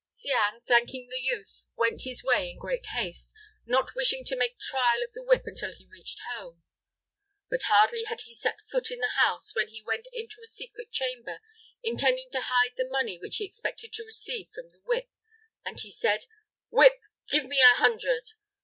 Cianne, thanking the youth, went his way in great haste, not wishing to make trial of the whip until he reached home. But hardly had he set foot in the house, when he went into a secret chamber, intending to hide the money which he expected to receive from the whip, and he said, "Whip, give me an hundred!"